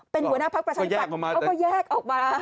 เป็นหัวหน้าพักประชาธิปัตย์เขาก็แยกออกมา